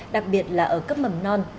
đặc biệt là ở cấp mầm non